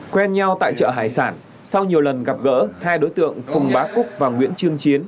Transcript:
quen nhau tại chợ hải sản sau nhiều lần gặp gỡ hai đối tượng phùng bá cúc và nguyễn trương chiến